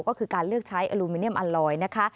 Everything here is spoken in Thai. ก็คือการเลือกใช้อลูมิเนียมอัลลอยนะคะ